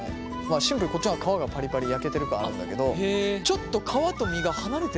シンプルにこっちの方が皮がパリパリ焼けてる感あるんだけどちょっと皮と身が離れてる感じがする。